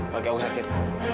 pagi aku sakit